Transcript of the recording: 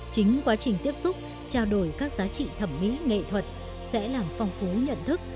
chính quá trình tiếp xúc trao đổi các giá trị thẩm mỹ nghệ thuật sẽ làm phong phú nhận thức